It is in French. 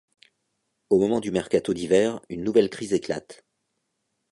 Au moment du mercato d'hiver, une nouvelle crise éclate.